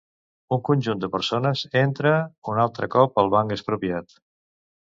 Un conjunt de persones entra un altre cop al Banc Expropiat.